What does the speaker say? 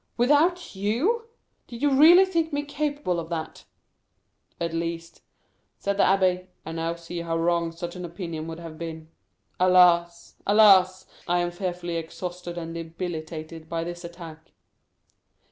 "Without you? Did you really think me capable of that?" "At least," said the abbé, "I now see how wrong such an opinion would have been. Alas, alas! I am fearfully exhausted and debilitated by this attack."